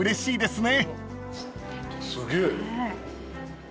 すげえ。